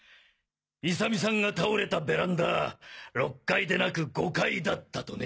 勇美さんが倒れたベランダは６階でなく５階だったとね。